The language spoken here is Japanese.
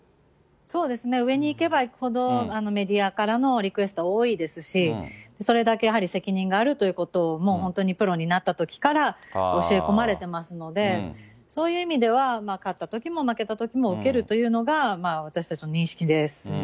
そうですね、上に行けばいくほど、メディアからのリクエストは多いですし、それだけやはり責任があるということを、もう本当にプロになったときから教え込まれていますので、そういう意味では、勝ったときも負けたときも受けるというのが、私たちの認識ですよ